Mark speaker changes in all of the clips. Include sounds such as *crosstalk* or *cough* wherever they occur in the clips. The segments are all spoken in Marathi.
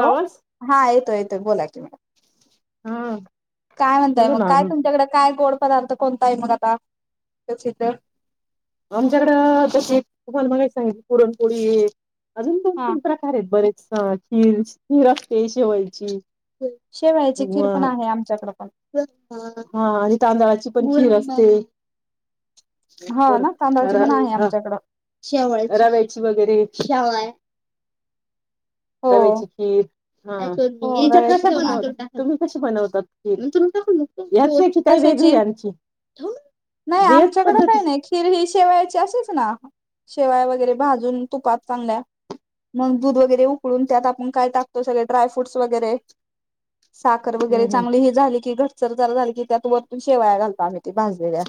Speaker 1: हो
Speaker 2: आवाज
Speaker 1: हा येतोय-येतोय बोला की मॅडम
Speaker 2: हा
Speaker 1: काय म्हणतय
Speaker 2: बोला
Speaker 1: मग
Speaker 2: ना
Speaker 1: काय तुमच्याकडे काय गोड? पदार्थ कोणता आहे मग आता तोच इथं
Speaker 2: आमच्याकडं तशी तुम्हाला *unintelligible* पुरणपोळी अजून दोन
Speaker 1: हा
Speaker 2: तीन प्रकार आहेत बरेच हा खीर, खीर असते शेवयाची
Speaker 1: शेवायाची खीर
Speaker 2: वा
Speaker 1: पण आहे आमच्याकडे पण
Speaker 2: हा आणि तांदळाची पण खीर असते.
Speaker 1: हो ना तांदळाची पण आहे
Speaker 2: हा
Speaker 1: आमच्याकडं
Speaker 2: शवा रावायची वगैरे शेवया
Speaker 1: हो
Speaker 2: रव्याची खीर हा
Speaker 1: हो रव्याची पण आहे
Speaker 2: तुम्ही कशी बनवता तत नंतरुन टाकून दो
Speaker 1: कशाची नाही
Speaker 2: हेच
Speaker 1: आमच्याकडे
Speaker 2: पद्धती
Speaker 1: काही नाही खिर ही शेवायची अशीच ना. शेवया वगैरे भाजून तुपात चांगल्या मग दूध वगैरे उकळून त्यात आपण काय टाकतो सगळे ड्रायफ्रूट्स वगैरे साखर
Speaker 2: हम्म
Speaker 1: वगैरे
Speaker 2: हम्म
Speaker 1: चांगली हे झाली की घ सर्व चालू झालं की त्यात वरतून शेवया घालतो आम्ही. ते भाजलेल्या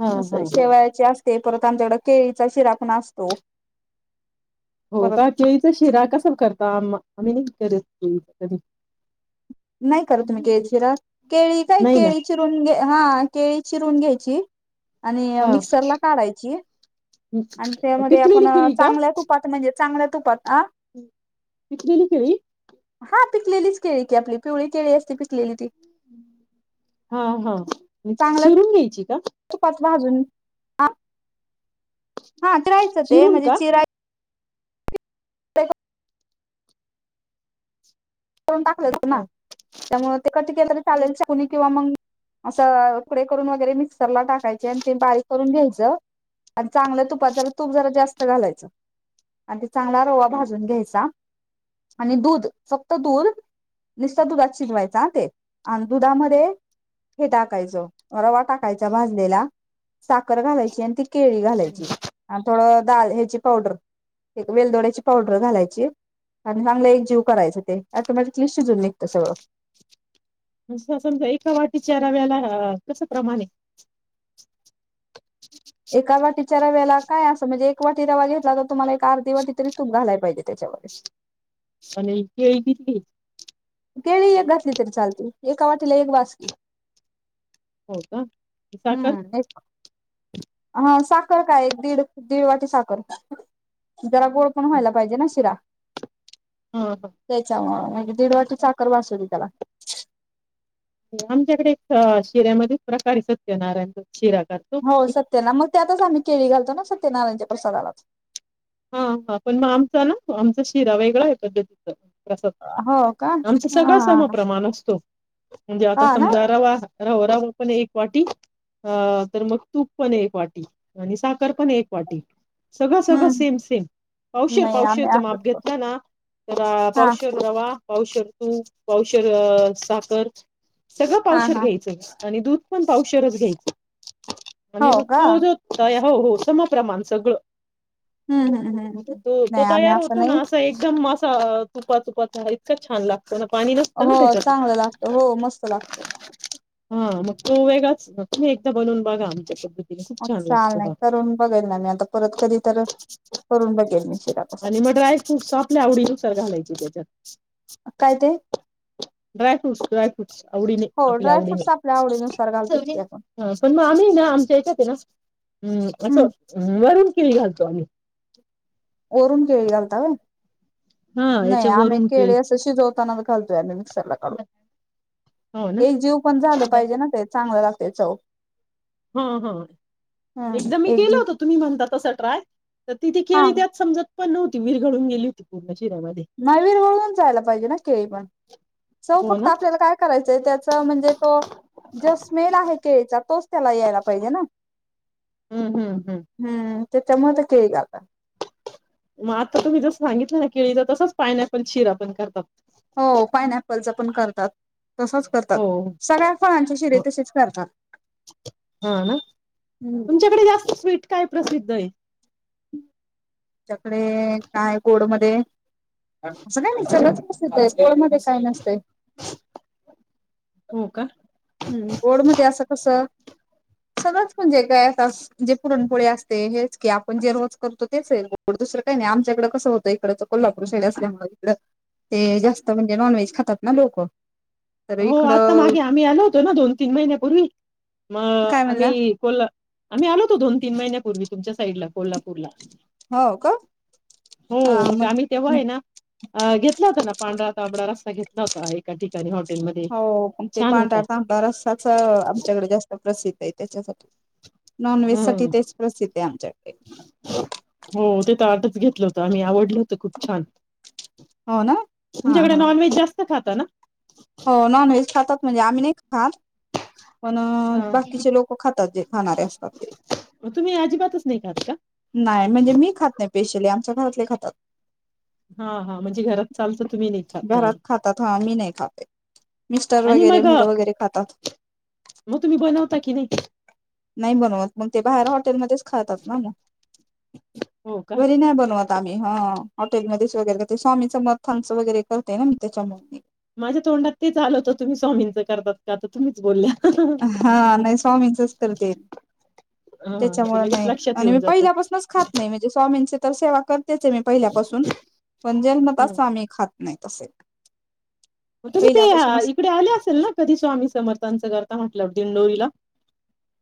Speaker 2: हा
Speaker 1: अस
Speaker 2: हा
Speaker 1: हाय
Speaker 2: हा.
Speaker 1: शेवायाच्या ते परत आमच्याकडं केळीचा शिरा पण असतो.
Speaker 2: हो
Speaker 1: परत
Speaker 2: का केळीचा शिरा कसा करता आम आम्ही नाही करत केळीचा कधी.
Speaker 1: नाही करत तुम्ही केळीचा शिरा केळी काय
Speaker 2: नाही ना
Speaker 1: केळी चिरुण घ्या हा केळी चिरून घ्यायची. आणि
Speaker 2: हा
Speaker 1: मिक्सरला काढायची आणि त्यामध्ये
Speaker 2: पिकलेली
Speaker 1: आपण
Speaker 2: केळी का?
Speaker 1: चांगल्या तुपात म्हणजे चांगल्या तुपात आ
Speaker 2: पिकलेली केळी
Speaker 1: हा पिकलेलीच केळी की आपली पिवळी केळी असत्याती.
Speaker 2: हा हा
Speaker 1: चांगल्या
Speaker 2: चिरून घ्यायची का?
Speaker 1: तुपात भाजून हा हा ते राहायचं ते
Speaker 2: चिरून
Speaker 1: म्हणजे
Speaker 2: का?
Speaker 1: चिरा ते तळून टाकल होत आपण ना
Speaker 2: हं.
Speaker 1: त्यामुळ ते कट केलेल चालेल चाकुनी किंवा मग असं तुकडे करून वगैरे मिक्सरला टाकायचे आणि ते बारीक करून घ्यायचं आणि चांगलं तुपात जरा तूप जरा जास्त घालायचं आणि ते चांगला रवा भाजून घ्यायचा आणि दूध फक फक्त दूध निसत दुधात शिजवायचा ह ते आणि दुधामध्ये हे टाकायचं रवा टाकायचा भाजलेला साखर घालायची आणि ती केळी घालायची आणि थोडं दाल ह्याची पावडर एक वेलदोड्याची पावडर घालायची आणि चांगल एक जीव करायच ते. आता माझ क्लि शीजून निघतंय सगळं.
Speaker 2: अस समजा एका वाटीच्या रव्याला कस प्रमाण ए? *inaudible*
Speaker 1: च्या रव्याला काय अस म्हणजे एक वाटी रवा घेतला तर तुम्हाला एक अर्धी वाटी तरी तूप घालाय पाहिजे त्याच्यामध्ये
Speaker 2: आणि केळी किती घ्यायची?
Speaker 1: केळी एक घातली तरी चालते एका वाटीला एक बासकी.
Speaker 2: होय का ती साखर,?
Speaker 1: अ साखर काय एक दीड, दीड वाटी साखर. जरा गोड पण
Speaker 2: हो.
Speaker 1: व्हायला पाहिजे ना शिरा
Speaker 2: हा हा
Speaker 1: त्याच्यामुळ दीड वाटी साखर बास होइल त्याला
Speaker 2: आमच्याकडे एक शिऱ्यामध्ये प्रकारे आहे सत्यनारायणचा. शिरा करतो.
Speaker 1: हो सत्यांना मग त्यातच आम्ही केळी घालतो ना. सत्यनारायणच्या प्रसादालाच
Speaker 2: हा हा पण मग आमचा ना आमचा शिरा वेगळा आहे पद्धतीचा प्रसाद
Speaker 1: हो का
Speaker 2: आमचं
Speaker 1: हा
Speaker 2: सगळं सम प्रमाण असतो म्हणजे आता
Speaker 1: हा ना
Speaker 2: समजा रवा रवा रवा पण एक वाटी अ तर मग तूप पण एक वाटी आणि साखर पण एक वाटी सगळं सगळं
Speaker 1: हम्म
Speaker 2: सेम सेम पावशर
Speaker 1: नाही आम्ही
Speaker 2: पावशरच
Speaker 1: असंच
Speaker 2: माप
Speaker 1: करतो
Speaker 2: घेतलं ना तर
Speaker 1: हा
Speaker 2: पावशर रवा पावशर तूप पावशर अ साखर सगळं
Speaker 1: हा
Speaker 2: पावशर
Speaker 1: हा
Speaker 2: घ्यायचं आणि दूध पण पावशरच घ्यायचं आणि
Speaker 1: हो
Speaker 2: मग
Speaker 1: का
Speaker 2: तोजो त हो हो समप्रमाण सगळं
Speaker 1: हम्म हम्म हम्म
Speaker 2: तो तो
Speaker 1: नाही आम्ही
Speaker 2: तयार होतो ना
Speaker 1: नाही
Speaker 2: असं एकदम मस्त तुपा तुपाचा इतका छान लाग
Speaker 1: हो चांगला लागतो हो मस्त लागतो
Speaker 2: हा मग तो वेगाच मग तुम्ही एकदा बनवून बघा आमच्या पध्द
Speaker 1: आज चाल नाही करून बघाल ना मी आता परत कधी तर करून बघेल मी शिरा कसा
Speaker 2: आणि मग ड्राय फ्रूटस आपल्या आवडीनुसार घालायचे त्याच्यात
Speaker 1: काय ते
Speaker 2: ड्रायफ्रूटस ड्रायफ्रूटस आवडीने
Speaker 1: हो
Speaker 2: आपल्या आवडीने
Speaker 1: ड्रायफ्रूट्स आपल्या आवडीनुसार घालतोच
Speaker 2: चवीने
Speaker 1: की आपण
Speaker 2: हा पण मग आम्ही आहे ना आमच्या हच्यात आम् आहे ना् आम्
Speaker 1: हम्म
Speaker 2: असं वरून केळी घालतो दोन्ही
Speaker 1: वरुण केळी घालता होय
Speaker 2: हा
Speaker 1: नाही
Speaker 2: याच्या
Speaker 1: आम्ही
Speaker 2: वरून
Speaker 1: केळी असं शिजवताना व घालतोय आम्ही मिक्सर ला काढून
Speaker 2: हो ना
Speaker 1: एक जीव पण झालं पाहिजे ना ते चांगलं लागतयं चव
Speaker 2: हम्म हम्म
Speaker 1: हम्म
Speaker 2: एकदा मी
Speaker 1: एक
Speaker 2: केलं
Speaker 1: जीव
Speaker 2: होत तुम्ही म्हणता तसं ट्राय त तिथं
Speaker 1: हा
Speaker 2: केळी त्यात समजतं पण नव्हती विरघळून गेली होती पूर्ण अ
Speaker 1: नाही विरघळून जायला पाहिजे ना केळी पण चव
Speaker 2: हो
Speaker 1: फक्त
Speaker 2: ना
Speaker 1: आपल्याला काय करायचंय त्याचं म्हणजे तो जो स्मेल आहे केळीचा तोच त्याला यायला पाहिजे ना
Speaker 2: हम्म हम्म हम्म‌्
Speaker 1: त्याचं मुळं ते केळी गाब-
Speaker 2: मग आता तुम्ही जसं सांगितलं ना केळीचा तसचं पायन्यापलं शिरा पण करतात.
Speaker 1: हो पायन्यापल चा पण करतात. तसच करतात
Speaker 2: हो
Speaker 1: सगळ्या फळांची शिरे तशीच करतात
Speaker 2: हा ना
Speaker 1: हम्म
Speaker 2: तुमच्याकडे जास्त स्विट काय प्रसिद्ध आहे. *inaudible*
Speaker 1: अमच्याकडे काय गोड मध्ये असं काय नाही सगळंच प्रसिद्ध आहे असं गोड मध्ये काय नसतयं.
Speaker 2: हो का
Speaker 1: हम्म गोड मध्ये असं कसं सगंळच म्हणजे काय आता जे पुरणपोळी असते हेच की आपण जे रोज करतो तेच हे दुसरं का नाही आमच्याकडं कसं होतंय इकडचं कोल्हापूर साइड असल्यामुळे इकड ते जास्त म्हणजे नॉनव्हेज खातात ना लोकं.
Speaker 2: हो आता मागे आम्ही आलो होतो ना दोन तीन महिन्यापूर्वी. मग
Speaker 1: काय म्हणला
Speaker 2: आम्ही कोल्हा आम्ही आलो होतो दोन तीन महिन्यापूर्वी तुमच्या साईड ला कोल्हापूरला.
Speaker 1: हो का
Speaker 2: हो मग आम्ही तेव्हा आहे ना अ घेतला होता ना पांढरा तांबडा रस्सा घेतला होता एका ठिकाणी हाॅट
Speaker 1: हो पण ते पांढरा तांबडा रस्साचं आमच्याकडे जास्त प्रसिद्ध आहीत. त्यांच्यासाठी नॉन व्हेज साठी
Speaker 2: हम्म
Speaker 1: तेच प्रसिद्ध आहे आमच्या
Speaker 2: हो ते ताटचं घेतलं होतं आणि आवडलं होतं खूप छान.
Speaker 1: हो ना हा
Speaker 2: तुमच्याकडे
Speaker 1: हा
Speaker 2: नॉनव्हेज जास्त खात ताना
Speaker 1: हो नॉन व्हेज खातात म्हणजे आम्ही नाही खात. पण
Speaker 2: हा
Speaker 1: बाकीचे लोक खातात जे खाणारे असतात ते
Speaker 2: तुम्ही अजिबातच नाही खात का?
Speaker 1: नाही म्हणजे मी खात नाही स्पेशली आ आमच्या घरातले खातात.
Speaker 2: हा हा म्हणजे घरात चालतं तुम्ही नाही खाता.
Speaker 1: घरात खातात हा मी नाही खाते मिस्टर
Speaker 2: आणि
Speaker 1: वगैरे
Speaker 2: मग
Speaker 1: मुलं वगैरे खातात
Speaker 2: मग तुम्ही बनवता कि नाही?
Speaker 1: नाही बनत मग ते बाहेर हॉटेलमध्येच खातात ना मग.
Speaker 2: हो का?
Speaker 1: घरी नाही बनवत. आम्ही ह हॉटेलमध्येच वगैरे करते स्वामी समर्थाचं वगैरे करते ना मी त्याच्यामुळे
Speaker 2: माझ्या तोंडात तेच आल होतं तुम्ही स्वामींचं करतात का तर तुम्हीच बोलल्या.
Speaker 1: हा
Speaker 2: हं,
Speaker 1: नाही स्वामींचच करते
Speaker 2: हां, ते
Speaker 1: त्याच्यामुळे
Speaker 2: लगेच
Speaker 1: नाही
Speaker 2: लक्षात
Speaker 1: आणि
Speaker 2: येऊन
Speaker 1: मी
Speaker 2: जातं.
Speaker 1: पहिल्यापासूनच खात नाही म्हणजे स्वामीचं तर सेवा कर त्याचे मी पहिल्यापासून म्हणजे जन्मताचं आम्ही खात नाही तस
Speaker 2: तुझी ते इकडे आले असेल ना कधी स्वामी समर्थांचं करता दिंढोरीला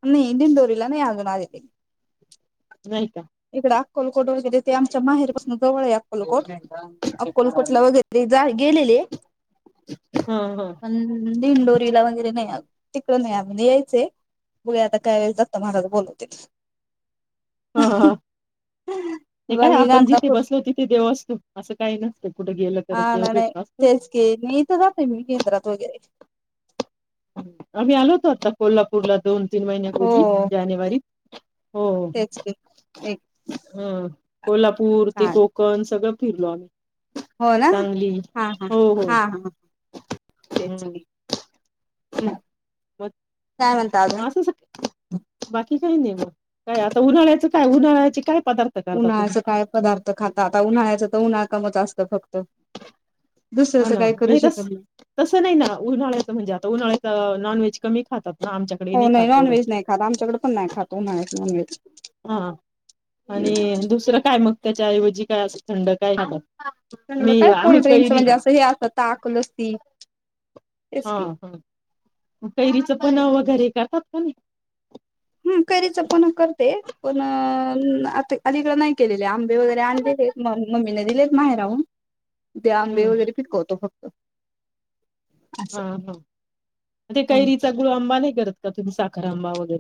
Speaker 1: नाही दिढोंरीला नाही आजुन आले *inaudible*
Speaker 2: नाही
Speaker 1: इकड अक्कोलकोट वगैरे ते आमच्या माहेर पासून जवळ आहे अक्कोलकोट, अक्कोलकोटला वगैरे गेलेले
Speaker 2: *inaudible* हा हा
Speaker 1: पण दिंडोरीला वगैरे नाही आले तिकड नाही यायचंय बघुया आता काय जत्रेला बोलवतील
Speaker 2: हा हा ते काय
Speaker 1: बाकी
Speaker 2: आपण जिथे
Speaker 1: गाणगापूर
Speaker 2: बसलो तिथे देव असतो असं काही नसतं कुठे गेलं तर
Speaker 1: हा
Speaker 2: देव
Speaker 1: ना नाही
Speaker 2: भेटत असतो.
Speaker 1: तेच की मी इथं जाते मी केंद्रात वगैरे
Speaker 2: आम्ही आलो होतो आता कोल्हापूर ला दोन तीन
Speaker 1: हो
Speaker 2: महिन्यापुर्वी जानेवारी *inaudible*
Speaker 1: तेच की एक
Speaker 2: हम कोल्हापूर ते
Speaker 1: चार
Speaker 2: कोकण सगळं फिरलो आम्ही
Speaker 1: हो ना
Speaker 2: सांगली.
Speaker 1: हा हां
Speaker 2: हो, हो.
Speaker 1: हा हा तेच
Speaker 2: हं.
Speaker 1: की, हम्
Speaker 2: बाकी क काही नाही म काय आता उन्हाळ्याचं काय उन्हाळ्याची काय पदार्थ करता तुम्ही
Speaker 1: उन्हाळचं काय पदार्थ खातात आता उन्हाळ्याचं तर उन्हा क म जास्त खप
Speaker 2: हा ना नाही तस तस नाही ना उन्हाळ्याच म्हणजे आता उन्हाळ्याच नॉन व्हेज कमी खातात ना आमच्याकडे
Speaker 1: हो नाही
Speaker 2: खात एवढं
Speaker 1: नॉनव्हेज नाही खाता आमच्याकडे पण नाही खात उन्हाळ्यात नॉनव्हेज
Speaker 2: हा आणि दुसरं काय मग त्याच्याऐवजी काय अस थंड काय *unintelligible*
Speaker 1: र
Speaker 2: मी
Speaker 1: काय
Speaker 2: आम्ही
Speaker 1: कोल्ड्रिंकस
Speaker 2: कैरी
Speaker 1: म्हणजे असं हे असत ताक, लस्सी ते
Speaker 2: हा- हा कैरीच पणं वगैरे काय? *unintelligible*
Speaker 1: हम कैरीच पण करते, पण आता अं अलीकडे नाही केलेले, आंबे वगैरे आणलेले, मम मम्मीने दिलेत माहेराहून. त्या आंबे
Speaker 2: हम्म
Speaker 1: वगैरे पिकवतो फक्त.
Speaker 2: हा
Speaker 1: असं
Speaker 2: - हा. ते कैरीचा गुळआंबा नाही करत, *inaudible* तुम्ही साख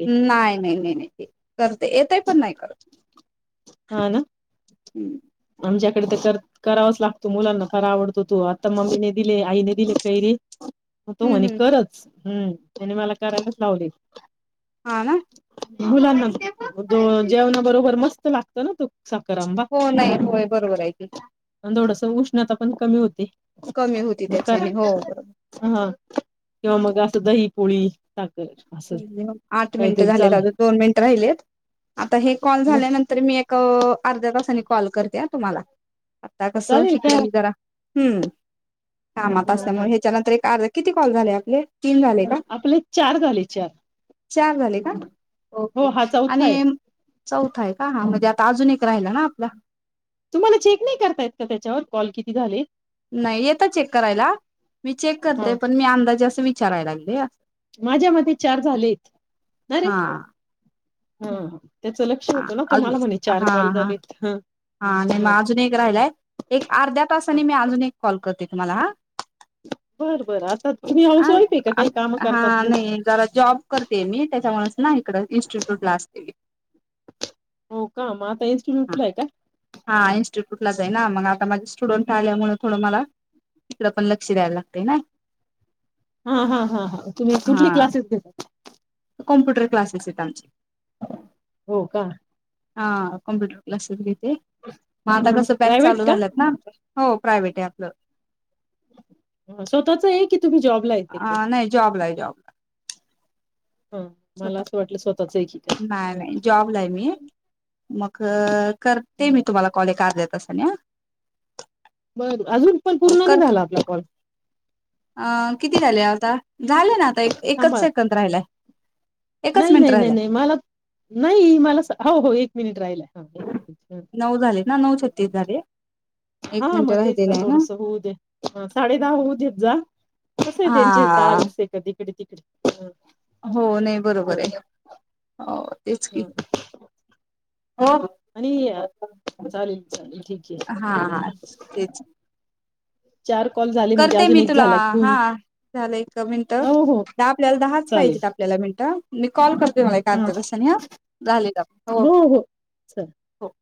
Speaker 1: नाही नाही नाही नाही ते, करते येतय पण नाही करत.
Speaker 2: हा ना.
Speaker 1: हम्
Speaker 2: आमच्याकडे तर कर करावाच लागतो. मुलांना फार आवडतो तो, आता मम्मीे दिले, आईने दिले कैरी. हो तो म्हणे
Speaker 1: हम्म
Speaker 2: करच. हम्, त्याने मला करायलाच लावली.
Speaker 1: हा ना हा
Speaker 2: मुलांना *inaudible* जेव जेवणा बरोबर मस्त लागतं ना तो. साखर आंबा
Speaker 1: हो नाही, होय. बरोबर आहे की.
Speaker 2: थोडसं उष्णता पण कमी होते.
Speaker 1: कमी
Speaker 2: *unintelligible*
Speaker 1: होती त्याच्याने हो बरोबर
Speaker 2: हा किंवा मग असं दहीपोळी. *unintelligible*
Speaker 1: *unintelligible* आठ मिनिटं झालेत, अजून दोन मिनिट राहिलेत, आता हे कॉल
Speaker 2: मग
Speaker 1: झाल्यानंतर मी एक अ अर्ध्या तासांनी कॉल करते. द्या तुम्हाला. आता कसं,
Speaker 2: चालेल काय
Speaker 1: *unintelligible* जरा हं. कामात
Speaker 2: हा हा
Speaker 1: असल्यामुळे ह्याच्यानंतर एक अर्ध्या ए किती कॉल झाले आपले? तीन झाले का
Speaker 2: आपले चार झाले. अच्छा.
Speaker 1: चार झाले का? ओके
Speaker 2: चौथा
Speaker 1: आणि
Speaker 2: आहे
Speaker 1: चौथाय का हा म्हणजे आप आता अजून एक राहिला ना आपला.
Speaker 2: तुम्हाला चेक नाही करतायेत का त्याच्यावर, कॉल किती झाले?
Speaker 1: नाही येतं चेक करायला, मी चेक
Speaker 2: ह
Speaker 1: करते पण मी अंदाजे असं विचा विचारय लागलेया.
Speaker 2: माझ्या मते चार झालेत. *unintelligible* रे
Speaker 1: हा
Speaker 2: हा हा त्याच लक क्ष
Speaker 1: हा
Speaker 2: होत ना
Speaker 1: अजून
Speaker 2: तुम्हाला म्हणे चार
Speaker 1: हा
Speaker 2: कॉल
Speaker 1: हा
Speaker 2: झालेत ह
Speaker 1: हा नाई म अजून एक राहिलाय एक अर्ध्या तासाने मी अजून एक कॉल करते. तुमाला हा
Speaker 2: बरं बरं आता तुम्ही हाऊस वाईफ आहे का
Speaker 1: आ
Speaker 2: काही कामं
Speaker 1: आ हा
Speaker 2: करतात ते
Speaker 1: नई जरा जॉब करते मी त्याच्यामुळच नाही. इकडं इन्स्टिट्यूटला असते मी
Speaker 2: हो का! म आता
Speaker 1: हा
Speaker 2: इन्स्टिट्यूटलाय का?
Speaker 1: हा इन्स्टिट्यूटलाच हाय ना मग आता माझे स्टुडंट आल्यामुळ थोडं मला तिकड पण लक्ष द्यायला लागतय ना.
Speaker 2: हा हा हा हा तुम्ही
Speaker 1: हा
Speaker 2: कुठली क्लासेस घेतात?
Speaker 1: कॉम्प्युटर क्लासेस येत आमचे
Speaker 2: हो का?
Speaker 1: हा कंप्यूटर क्लासेस घे ते म आता कसं बॅस‌‌
Speaker 2: प्रायव्हेट
Speaker 1: चालू झाल्यात ना. हो प्रायव्हेट ये आपलं
Speaker 2: अ स्वतःच ये कि तुम्ही जॉबलाये तिकडे
Speaker 1: अ नाही जॉबला आहे
Speaker 2: ह मला
Speaker 1: जॉबला
Speaker 2: असं वाटलं स्वतःचेय की
Speaker 1: नाही
Speaker 2: काय हं.
Speaker 1: नाही जॉबलाय मी मग क करते मी तुम्हाला कॉल एक अर्ध्या तासाने अ
Speaker 2: बर अजून पण पूर्ण नई झाला आपला कॉल
Speaker 1: अ किती झाले आता, झाले ना. आता एक एकच
Speaker 2: थांबा
Speaker 1: सेकंद राहिलाय. एकच
Speaker 2: नाही
Speaker 1: मिंट
Speaker 2: नाही नाही
Speaker 1: राहिलाय.
Speaker 2: नाही मला नाई मला स हो हो एक मिनिट राहिलाय. हा एक मिनिट
Speaker 1: नऊ झालेत ना, नऊ छत्तीस झाले. एक
Speaker 2: हा
Speaker 1: मिनिट
Speaker 2: मग तेच ना
Speaker 1: राहिलेला आहे
Speaker 2: थोडस होऊ दे, ह साडे दहा होऊ देत जा कसये त्यांचे
Speaker 1: हा
Speaker 2: तासये कधी इकडे तिकडे ह
Speaker 1: हो नाई बरोबर आय *unintelligible*
Speaker 2: ह
Speaker 1: ओ हा
Speaker 2: चालेल चालेल ठीक आहे
Speaker 1: हा तेच
Speaker 2: चार कॉल झाले म्हणजे
Speaker 1: करते
Speaker 2: अजून
Speaker 1: मी
Speaker 2: एक
Speaker 1: तुला
Speaker 2: झाला की
Speaker 1: हा
Speaker 2: होऊन
Speaker 1: झालं एक मिनटं
Speaker 2: हो हो
Speaker 1: दहा आपल्याला दहाच
Speaker 2: चालेल
Speaker 1: पाहिजेत आपल्याला मिनटं मी कॉल कर दे एक मला
Speaker 2: हा
Speaker 1: अर्ध्या तासाने ह झालेत आपले हो हो
Speaker 2: चालेल
Speaker 1: हो